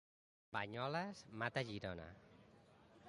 Banyoles mata Girona.